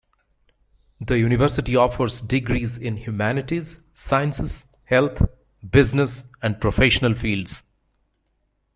The university offers degrees in humanities, sciences, health, business and professional fields.